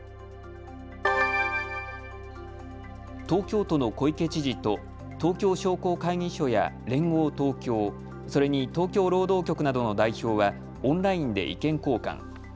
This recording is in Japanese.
東京都の小池知事と東京商工会議所や連合東京、それに東京労働局などの代表はオンラインで意見交換。